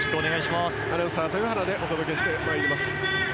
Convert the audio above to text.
アナウンサー、豊原でお届けしてまいります。